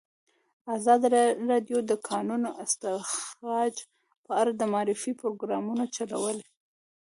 ازادي راډیو د د کانونو استخراج په اړه د معارفې پروګرامونه چلولي.